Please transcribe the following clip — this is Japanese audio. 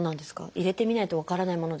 入れてみないと分からないものですか？